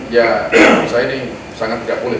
ya menurut saya ini sangat tidak boleh